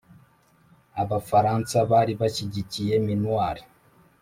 abafaransa bari bashyigikiye minuar